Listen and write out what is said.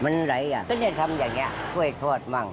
เมื่อไหร่ก็จะทำอย่างนี้ช่วยโทษบ้าง